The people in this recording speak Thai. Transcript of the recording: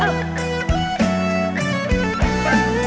อ่าว